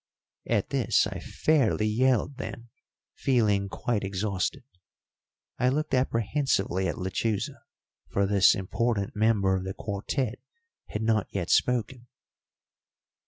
At this I fairly yelled, then, feeling quite exhausted, I looked apprehensively at Lechuza, for this important member of the quartet had not yet spoken.